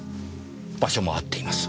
場所も合っています。